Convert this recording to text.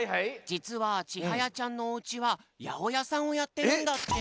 じつはちはやちゃんのおうちはやおやさんをやってるんだって。